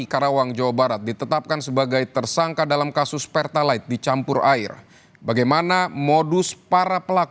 kendaraan bermotor yang mogok di spbu jalan juanda